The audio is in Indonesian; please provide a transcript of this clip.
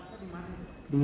di ruangan peraksi yang mulia